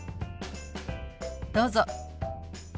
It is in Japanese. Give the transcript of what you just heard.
どうぞ。